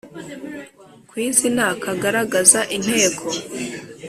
Kwi zina kagaragaza inteko